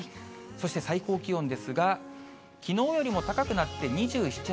そして最高気温ですが、きのうよりも高くなって２７、８度。